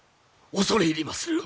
恐れ入りまする。